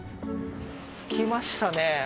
着きましたね。